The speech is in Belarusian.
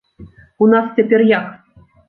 У нас цяпер як?